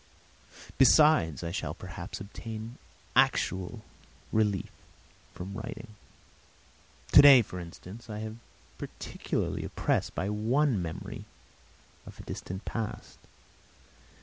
Besides, I shall perhaps obtain actual relief from writing. Today, for instance, I am particularly oppressed by one memory of a distant past.